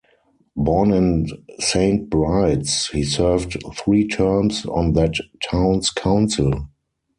Born in Saint Bride's, he served three terms on that town's council.